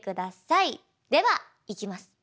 ではいきます。